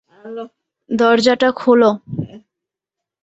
দরজাটা খোলো!